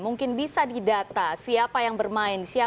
mungkin bisa didata siapa yang bermain siapa yang tidak